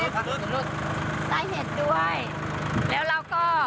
สะเห็ดด้วยแล้วเราก็เคศ